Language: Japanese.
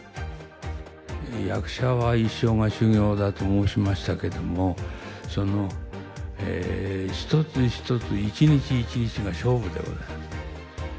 「役者は一生が修業だ」と申しましたけどもその一つ一つ一日一日が勝負でございます。